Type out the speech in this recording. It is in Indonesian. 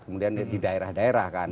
kemudian di daerah daerah kan